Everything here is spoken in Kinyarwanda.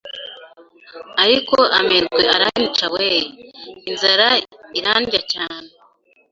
ariko amerwe aranyica weeee, inzara irandya cyane